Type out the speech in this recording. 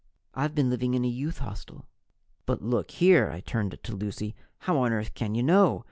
I've been living in a youth hostel." "But look here " I turned to Lucy "how on Earth can you know?